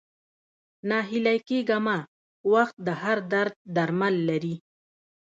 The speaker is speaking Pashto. ناهيلی کيږه مه ، وخت د هر درد درمل لري